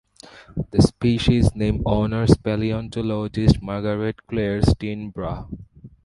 The species name honors paleontologist Margaret Clair Steen Brough.